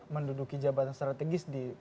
menduduki jabatan strategis di